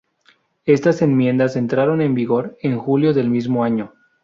Estas enmiendas entraron en vigor en julio del mismo año.